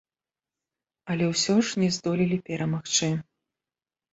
Але ўсё ж не здолелі перамагчы.